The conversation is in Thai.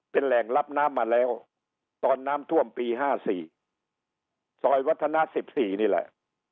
เป็นแหล่งรับน้ำมาแล้วตอนน้ำท่วมปี๕๔ซอยวัฒนา๑๔นี่แหละ